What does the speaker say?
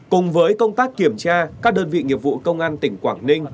cùng với công tác kiểm tra các đơn vị nghiệp vụ công an tỉnh quảng ninh